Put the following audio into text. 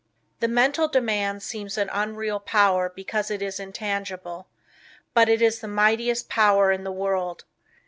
The Mental Demand seems an unreal power because it is intangible; but it is the mightiest power in the world.